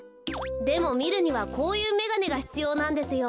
でもみるにはこういうめがねがひつようなんですよ。